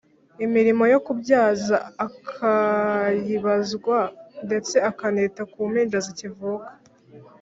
Imirimo yo kubyaza akayibazwa, ndetse akanita ku mpinja zikivuka